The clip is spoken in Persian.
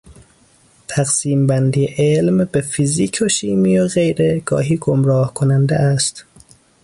تقسیم بندی علم به فیزیک و شیمی و غیره گاهی گمراه کننده است.